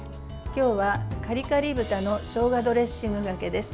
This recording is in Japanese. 今日はカリカリ豚のしょうがドレッシングがけです。